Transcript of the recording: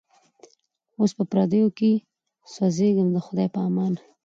اوس په پردیو کي سوځېږمه د خدای په امان